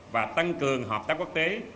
và tăng cường hợp tác quốc tế